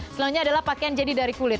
selanjutnya adalah pakaian jadi dari kulit